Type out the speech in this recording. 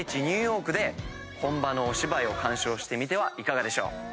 ニューヨークで本場のお芝居を鑑賞してみてはいかがでしょう。